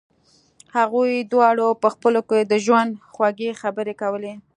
هغوی دواړو په خپلو کې د ژوند خوږې خبرې کولې